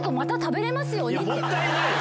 もったいないよ！